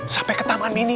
sampai ke taman ini